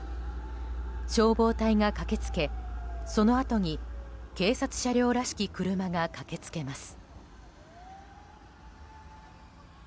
消防隊が駆け付け、そのあとに警察車両らしき車が駆け付けます。